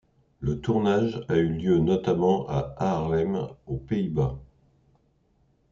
Le tournage a eu lieu notamment à Haarlem aux Pays-Bas.